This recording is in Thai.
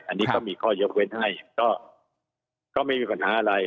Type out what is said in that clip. อันนี้ก็มีข้อยกเว้นให้ก็ไม่มีปัญหาอะไร